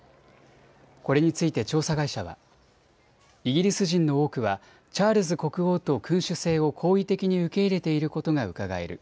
これについて調査会社はイギリス人の多くはチャールズ国王と君主制を好意的に受け入れていることがうかがえる。